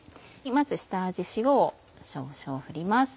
まず下味塩を少々振ります。